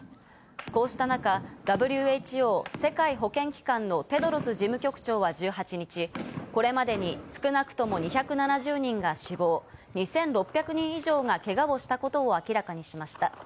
こうした中、ＷＨＯ＝世界保健機関のテドロス事務局長は１８日、これまでに少なくとも２７０人が死亡、２６００人以上がけがをしたことを明らかにしました。